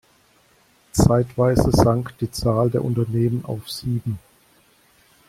Zeitweise sank die Zahl der Unternehmen auf sieben.